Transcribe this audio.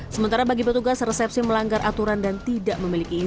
sementara bagi petugas resepsi melanggar aturan dan tidak memiliki izin